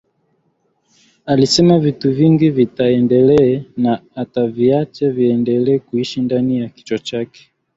Alisema vitu vingi vitaendele na ataviacha viendelee kuishi ndani ya kichwa chake